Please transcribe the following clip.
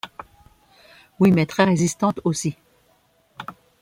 Oui, mais très-résistante aussi ;